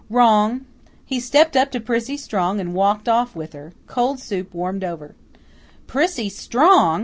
"Wrong. He stepped up to Prissy Strong and walked off with her. Cold soup warmed over." "Prissy Strong!"